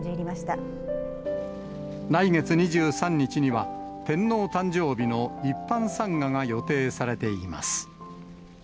来月２３日には、天皇誕生日の一般参賀が予定されています。